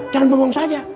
dan belum saja